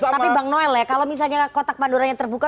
tapi bang noel ya kalau misalnya kotak pandoranya terbuka